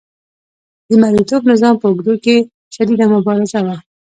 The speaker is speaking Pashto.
د مرئیتوب نظام په اوږدو کې شدیده مبارزه وه.